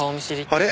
あれ？